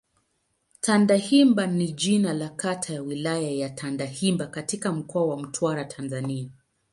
Tandahimba ni jina la kata ya Wilaya ya Tandahimba katika Mkoa wa Mtwara, Tanzania.